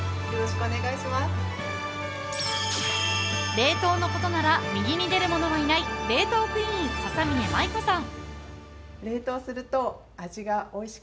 冷凍のことなら右に出る者はいない、冷凍クイーン・笹嶺舞依子さん。